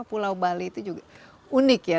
pulau bali itu juga unik ya